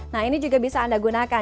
nah ini juga bisa anda gunakan